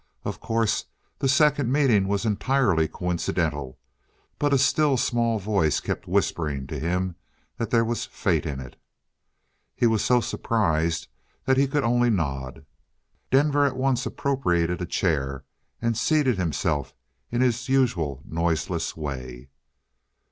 Of course, the second meeting was entirely coincidental, but a still small voice kept whispering to him that there was fate in it. He was so surprised that he could only nod. Denver at once appropriated a chair and seated himself in his usual noiseless way.